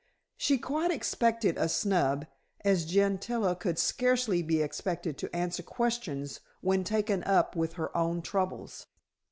She quite expected a snub, as Gentilla could scarcely be expected to answer questions when taken up with her own troubles.